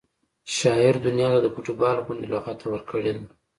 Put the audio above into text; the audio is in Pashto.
شاعر دنیا ته د فټبال غوندې لغته ورکړې ده